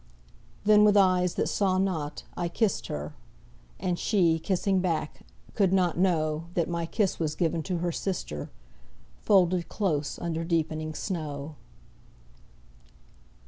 Then, with eyes that saw not, I kissed her: And she, kissing back, could not know That my kiss was given to her sister, Folded close under deepening snow.